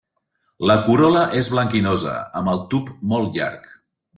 La corol·la és blanquinosa, amb el tub molt llarg.